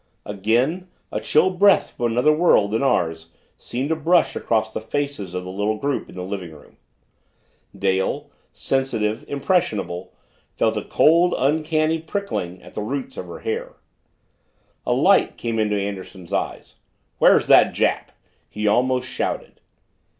Again, a chill breath from another world than ours seemed to brush across the faces of the little group in the living room. Dale, sensitive, impressionable, felt a cold, uncanny prickling at the roots of her hair. A light came into Anderson's eyes. "Where's that Jap?" he almost shouted.